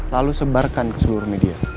lalu sebarkan ke seluruh media